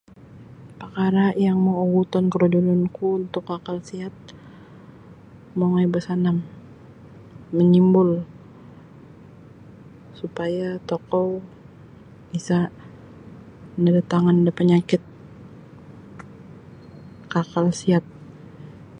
Pakara yang mau oguton korojononku untuk kakal siat mongoi basanam manyimbul supaya tokou isa' nadatangan da panyakit kakal siat.